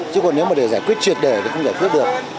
chứ còn nếu mà để giải quyết truyệt đời thì không giải quyết được